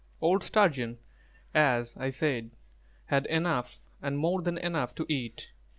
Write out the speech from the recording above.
Old Sturgeon, as I said, had enough and more than enough to eat.